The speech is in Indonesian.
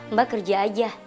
mbak kerja aja